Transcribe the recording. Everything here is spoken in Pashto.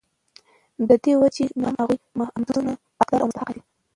نو د دي وجي نه هم هغه د حمدونو حقدار او مستحق دی